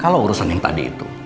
kalau urusan yang tadi itu